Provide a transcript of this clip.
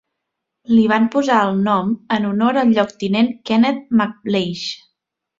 Li van posar el nom en honor al lloctinent Kenneth MacLeish.